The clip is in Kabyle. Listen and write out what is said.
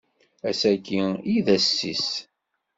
Ass-agi i d ass-is.